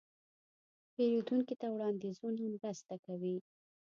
پیرودونکي ته وړاندیزونه مرسته کوي.